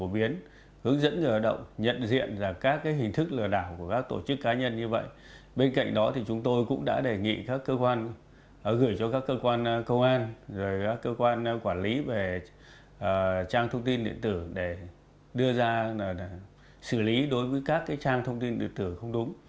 bên cạnh đó thì chúng tôi cũng đã đề nghị các cơ quan gửi cho các cơ quan công an các cơ quan quản lý về trang thông tin điện tử để đưa ra xử lý đối với các trang thông tin điện tử không đúng